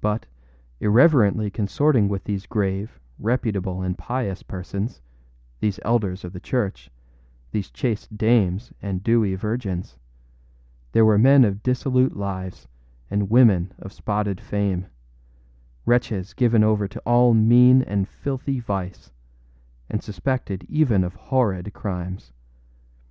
But, irreverently consorting with these grave, reputable, and pious people, these elders of the church, these chaste dames and dewy virgins, there were men of dissolute lives and women of spotted fame, wretches given over to all mean and filthy vice, and suspected even of horrid crimes.